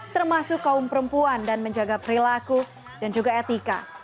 termasuk kaum perempuan dan menjaga perilaku dan juga etika